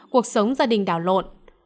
cuộc sống gia đình đảo lộn